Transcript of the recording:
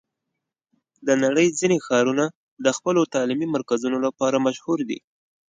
د نړۍ ځینې ښارونه د خپلو تعلیمي مرکزونو لپاره مشهور دي.